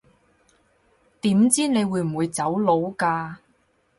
點知你會唔會走佬㗎